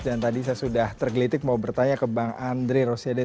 dan tadi saya sudah tergelitik mau bertanya ke bang andri rosyadeh